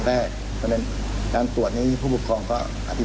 สอนทุกวิชาหลักเลยเพื่อนครูบอกว่าตอนนี้คือเห็นใจครูคนนี้เหมือนกันนะครับ